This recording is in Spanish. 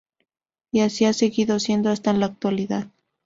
Y así ha seguido siendo hasta la actualidad.